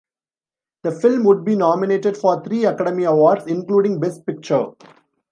The film would be nominated for three Academy Awards, including Best Picture.